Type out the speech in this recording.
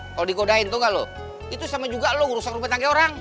kalau dikodain tau gak lo itu sama juga lo ngerusak rumput tangga orang